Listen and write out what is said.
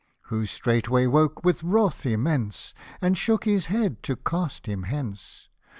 Who straightway woke with wrath immense, And shook his head to cast him thence.